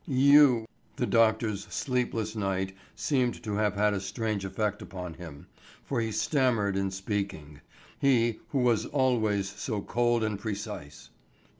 "You—" The doctor's sleepless night seemed to have had a strange effect upon him, for he stammered in speaking, he who was always so cold and precise.